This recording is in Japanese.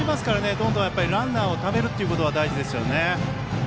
どんどんランナーをためることが大事ですよね。